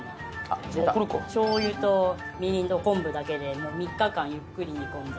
しょうゆとみりんと昆布だけで３日間ゆっくり煮込んで。